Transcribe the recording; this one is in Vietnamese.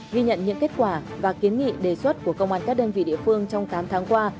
ghi nhận những kết quả và kiến nghị đề xuất của công an các đơn vị địa phương trong tám tháng qua